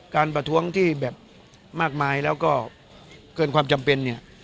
ประท้วงที่แบบมากมายแล้วก็เกินความจำเป็นเนี่ย